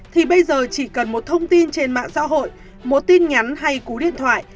thì bây giờ chỉ cần một thông tin trên mạng xã hội một tin nhắn hay cú điện thoại